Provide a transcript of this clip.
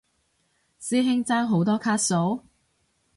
師兄爭好多卡數？